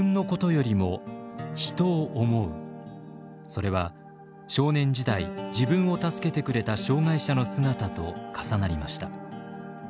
それは少年時代自分を助けてくれた障害者の姿と重なりました。